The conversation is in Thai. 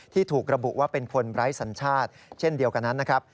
ถูกระบุว่าเป็นคนไร้สัญชาติเช่นเดียวกันนั้นนะครับ